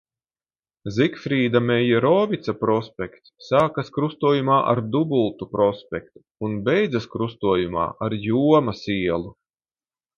Zigfrīda Meierovica prospekts sākas krustojumā ar Dubultu prospektu un beidzas krustojumā ar Jomas ielu.